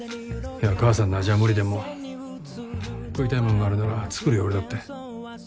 母さんの味は無理でも食いたいもんがあるなら作るよ俺だって。